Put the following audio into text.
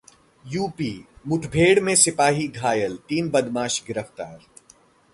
UP मुठभेड़ में सिपाही घायल, तीन बदमाश गिरफ्तार